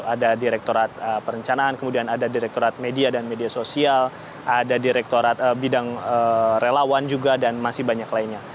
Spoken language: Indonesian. ada direktorat perencanaan kemudian ada direkturat media dan media sosial ada direktorat bidang relawan juga dan masih banyak lainnya